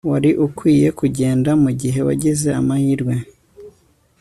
Wari ukwiye kugenda mugihe wagize amahirwe